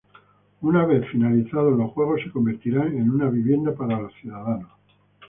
Una vez de finalizados los juegos se convertirán en una vivienda para los ciudadanos.